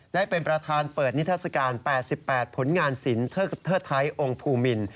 ได้เป็นประธานเปิดนิทัศกาล๘๘ผลงานศิลป์เทิดไทยองค์ภูมิ